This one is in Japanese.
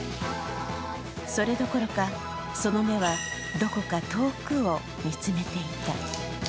それどころか、その目はどこか遠くを見つめていた。